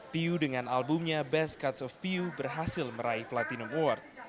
p u dengan albumnya best cuts of p u berhasil meraih platinum award